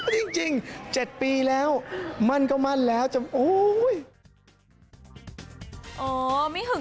จริง๗ปีแล้วมั่นก็มั่นแล้วจะโอ้ย